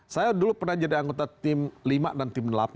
saya dulu pernah jadi anggota tim lima dan tim delapan